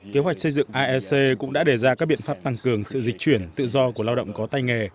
kế hoạch xây dựng aec cũng đã đề ra các biện pháp tăng cường sự dịch chuyển tự do của lao động có tay nghề